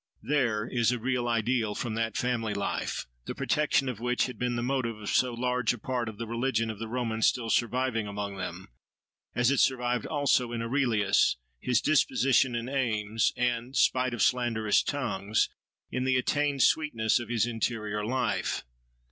— There, is a real idyll from that family life, the protection of which had been the motive of so large a part of the religion of the Romans, still surviving among them; as it survived also in Aurelius, his disposition and aims, and, spite of slanderous tongues, in the attained sweetness of his interior life.